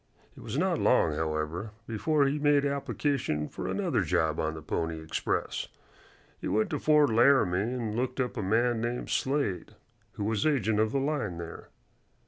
It was not long, however, before he made application for another job on the Pony Express. He went to Fort Laramie and looked up a man named Slade, who was agent of the line there.